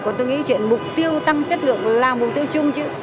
còn tôi nghĩ chuyện mục tiêu tăng chất lượng là mục tiêu chung chứ